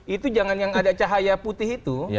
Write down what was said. itu jangan yang ada cahaya putih itu